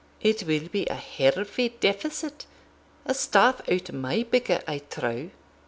It will be a heavy deficit a staff out o' my bicker, I trow.